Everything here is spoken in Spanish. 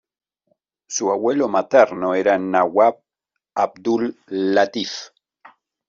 Su abuelo materno era Nawab Abdul Latif.